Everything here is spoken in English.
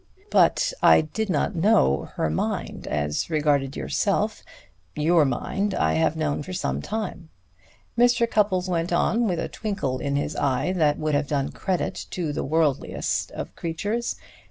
But I did not know her mind as regarded yourself. Your mind I have known for some time," Mr. Cupples went on, with a twinkle in his eye that would have done credit to the worldliest of creatures.